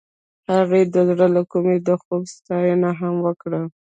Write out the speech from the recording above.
هغې د زړه له کومې د خوب ستاینه هم وکړه.